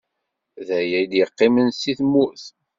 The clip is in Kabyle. Daya i d-yeqqimen seg tmurt.